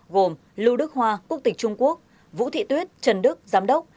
gồm lưu đức hoa quốc tịch trung quốc vũ thị tuyết trần đức giám đốc